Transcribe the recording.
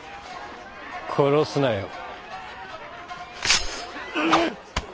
殺すなよ。